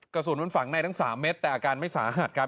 กระสุนมันฝังในทั้ง๓เม็ดแต่อาการไม่สาหัสครับ